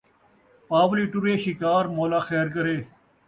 پاولی ٹُریے شکار مولا خیر کرے